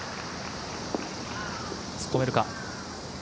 突っ込めるか。